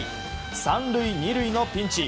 ３塁２塁のピンチ。